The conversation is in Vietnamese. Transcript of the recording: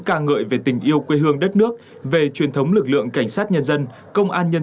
ca ngợi về tình yêu quê hương đất nước về truyền thống lực lượng cảnh sát nhân dân công an nhân